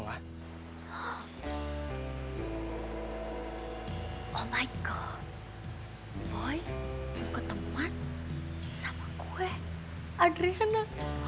oh my god boy mau ketemu sama gue adriana